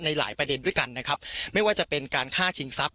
หลายประเด็นด้วยกันนะครับไม่ว่าจะเป็นการฆ่าชิงทรัพย